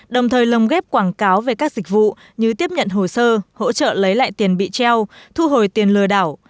đồng thời lồng ghép quảng cáo về các dịch vụ như tiếp nhận hồ sơ hỗ trợ lấy lại tiền bị treo thu hồi tiền lừa đảo